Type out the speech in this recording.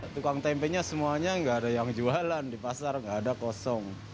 tukang tempenya semuanya nggak ada yang jualan di pasar nggak ada kosong